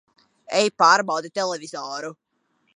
Ej pārbaudi televizoru!